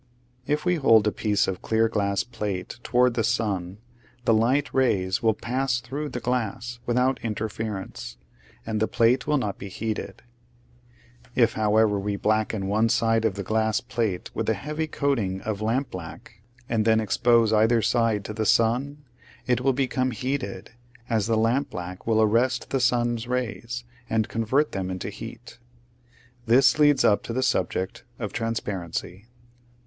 If we hold a piece of clear glass plate toward the sun the light rays will pass through the glass without interference, and the plate will not be heated. If, however, we blacken one side of the glass plate with a heavy coating of lampblack, and 190 /]. Original from UNIVERSITY OF WISCONSIN {transparence. I 91 then expose either side to the sun, it will be come heated, as the lampblack will arrest the sun's rays and convert them into heat. This leads up to the subject of transparency.